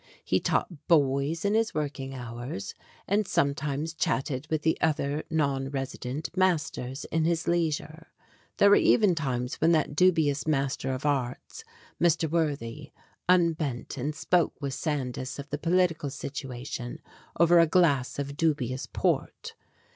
He taught boys in his working hours, and sometimes chatted with the other, non resident, masters in his leisure. There were even times when that dubious Master of Arts, Mr. Worthy, unbent and spoke with Sandys of the political situation over a glass of dubious port.